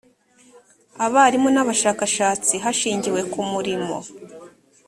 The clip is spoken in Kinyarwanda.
abarimu n abashakashatsi hashingiwe ku murimo